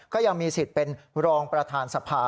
ก็ยังมีสิทธิ์เป็นรองประธานสภา